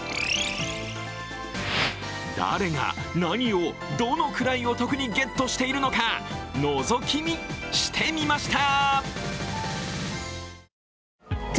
誰が、何を、どのくらいお得にゲットしているのかのぞき見してみました。